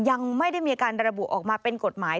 ยังไม่ได้มีการระบุออกมาเป็นกฎหมาย